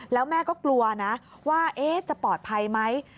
แล้วแม่ก็กลัวนะว่าจะปลอดภัยไหม